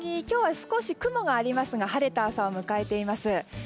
今日は少し雲がありますが晴れた朝を迎えています。